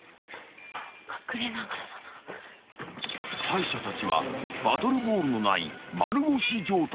［敗者たちはバトルボールのない丸腰状態］